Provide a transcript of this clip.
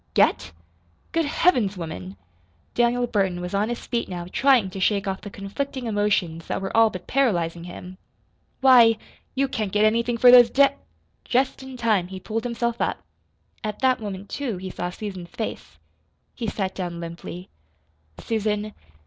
"Get? Good Heavens woman!" Daniel Burton was on his feet now trying to shake off the conflicting emotions that were all but paralyzing him. "Why, you can't get anything for those da " Just in time he pulled himself up. At that moment, too, he saw Susan's face. He sat down limply. "Susan."